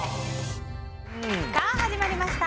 さあ、始まりました。